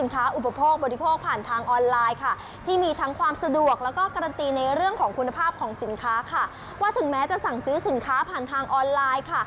ถึงแม้จะถามซื้อสินค้าผ่านทางออนไลน์